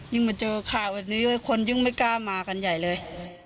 ยิ่งเหมือนจะขาดแบบนี้คนยังไม่กล้ามากันใหญ่เลย